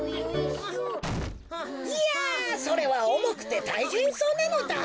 いやそれはおもくてたいへんそうなのだ。